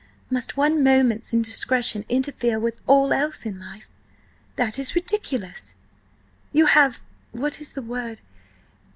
Must one moment's indiscretion interfere with all else in life? That is ridiculous. You have–what is the word?